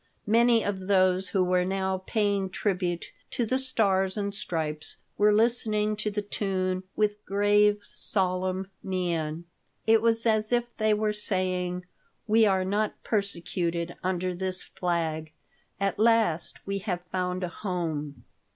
Many of those who were now paying tribute to the Stars and Stripes were listening to the tune with grave, solemn mien. It was as if they were saying: "We are not persecuted under this flag. At last we have found a home."